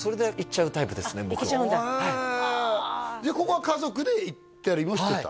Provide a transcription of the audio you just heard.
はいここは家族で行ったりもしてた？